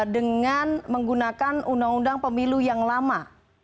dengan menggunakan undang undang pemilu yang lama